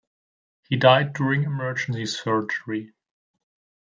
He died during emergency surgery.